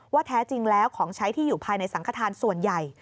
แท้จริงแล้วของใช้ที่อยู่ภายในสังขทานส่วนใหญ่